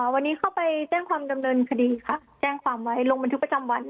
วันนี้เข้าไปแจ้งความดำเนินคดีค่ะแจ้งความไว้ลงบันทึกประจำวัน